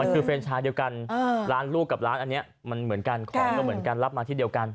คือแฟนชายเดียวกันร้านลูกกับร้านอันนี้มันเหมือนกันของก็เหมือนกันรับมาที่เดียวกัน